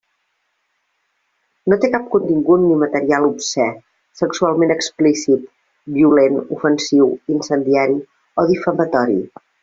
No té cap contingut ni material obscè, sexualment explícit, violent, ofensiu, incendiari o difamatori.